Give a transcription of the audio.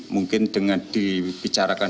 mungkin dengan dibicarakan